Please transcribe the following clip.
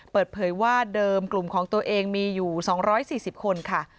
เปิดเผยว่าเดิมกลุ่มของตัวเองมีอยู่๒๔๐คนค่ะ